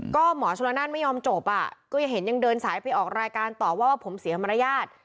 ก็หมอชนละนานไม่ยอมจบอ่ะก็ยังเห็นยังเดินสายไปออกรายการต่อว่าว่าผมเสียมารยาท